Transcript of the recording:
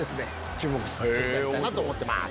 注目していただきたいなと思ってます。